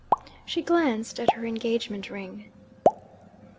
She glanced at her engagement ring.